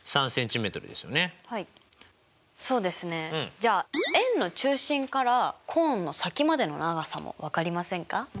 じゃあ円の中心からコーンの先までの長さも分かりませんか？